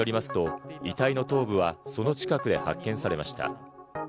警察によりますと遺体の頭部はその近くで発見されました。